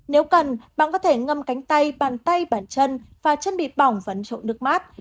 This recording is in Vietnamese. nếu cần bạn có thể ngâm cánh tay bàn tay bàn chân và chân bị bỏng vấn trộn nước mát